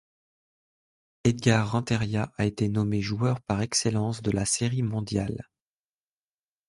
Edgar Rentería a été nommé joueur par excellence de la Série mondiale.